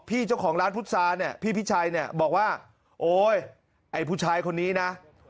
พี่เจ้าของร้านพุษาเนี่ยพี่พิชัยเนี่ยบอกว่าโอ๊ยไอ้ผู้ชายคนนี้นะ